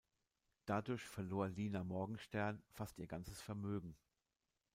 Dadurch verlor Lina Morgenstern fast ihr ganzes Vermögen.